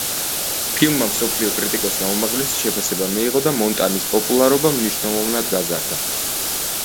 ფილმმა მსოფლიო კრიტიკოსთა უმაღლესი შეფასება მიიღო და მონტანის პოპულარობა მნიშვნელოვნად გაზარდა.